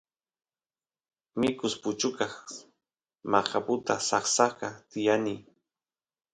mikus puchukas maqaputa saksaqa tiyani